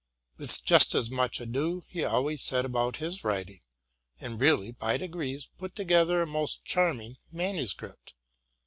With just as much ado he always set about his writing, and really, by degrees, put together a most charming manuscript.